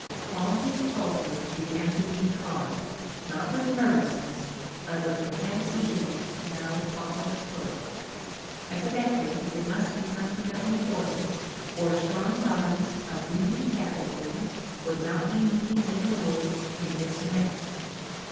All his pulses began to beat hard, not with nervousness, but with intense eagerness to know what was afoot. Evidently it must be something of importance or strong bodies of Union cavalry would not be meeting in the woods in this manner.